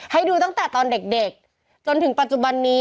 ให้ดูตั้งแต่ตอนเด็กจนถึงปัจจุบันนี้